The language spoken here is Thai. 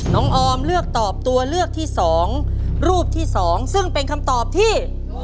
ออมเลือกตอบตัวเลือกที่๒รูปที่๒ซึ่งเป็นคำตอบที่